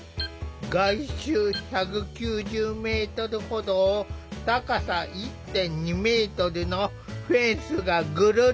外周１９０メートルほどを高さ１．２メートルのフェンスがぐるり。